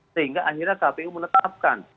sehingga akhirnya kpu menetapkan